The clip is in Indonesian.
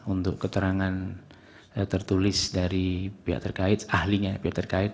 untuk keterangan tertulis dari pihak terkait ahlinya pihak terkait